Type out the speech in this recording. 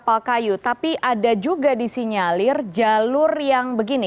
kapal kayu tapi ada juga di sinyalir jalur yang begini